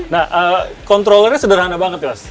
nah controllernya sederhana banget yas